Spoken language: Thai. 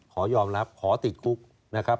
ขอยอมรับขอติดคุกนะครับ